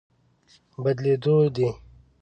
بدلېدو دی.